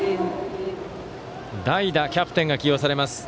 代打、キャプテンが起用されます。